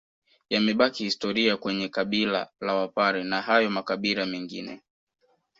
Yamebaki historia kwenye kabila la wapare na hayo makabila mengine